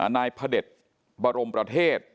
นายพระเด็จบรมประเทศ